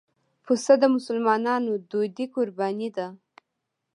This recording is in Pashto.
پسه د مسلمانانو دودي قرباني ده.